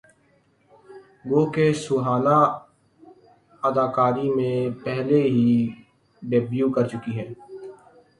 گوکہ سہانا اداکاری میں پہلے ہی ڈیبیو کرچکی ہیں